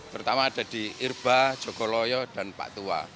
pertama ada di irba jogoloyo dan pak tua